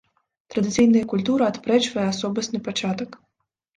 Традыцыйная культура адпрэчвае асобасны пачатак.